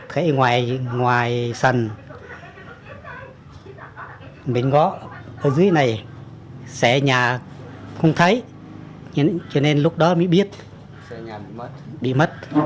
xe ở ngoài sân bên gõ ở dưới này xe nhà không thấy cho nên lúc đó mới biết bị mất